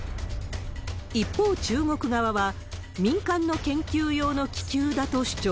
一方、中国側は民間の研究用の気球だと主張。